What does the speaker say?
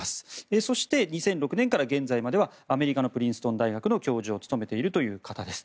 そして２００６年から現在まではアメリカのプリンストン大学の教授を務めているという方です。